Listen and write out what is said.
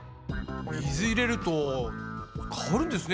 水入れると変わるんですね